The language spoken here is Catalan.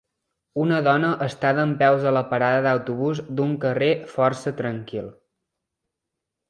Una dona està dempeus a la parada d'autobús d'un carrer força tranquil.